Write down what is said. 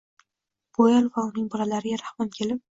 Bu ayol va uning bolalariga rahmim kelib